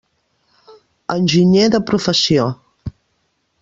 Enginyer de professió.